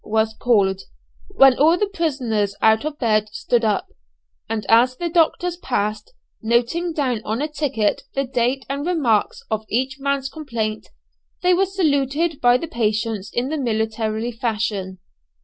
was called, when all the prisoners out of bed stood up, and as the doctors passed, noting down on a ticket the date and remarks on each man's complaint, they were saluted by the patients in the military fashion.